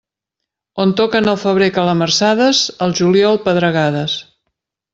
On toquen al febrer calamarsades, al juliol pedregades.